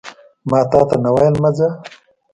ماتاته نه ویل مه ځه